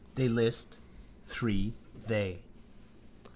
They list. Three. They.